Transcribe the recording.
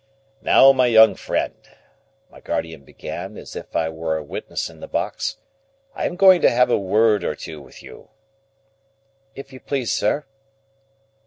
"Now my young friend," my guardian began, as if I were a witness in the box, "I am going to have a word or two with you." "If you please, sir."